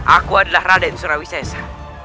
aku adalah raden surawisesa